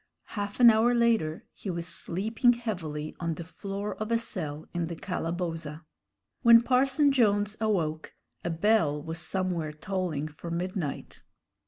Half an hour later he was sleeping heavily on the floor of a cell in the calaboza. When Parson Jones awoke, a bell was somewhere tolling for midnight.